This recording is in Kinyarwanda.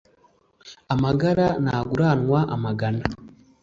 Amagara ntaguranwa amagana